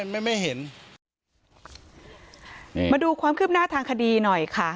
ไม่ไม่เห็นนี่มาดูความคืบหน้าทางคดีหน่อยค่ะ